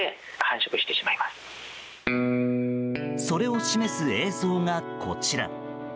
それを示す映像がこちら。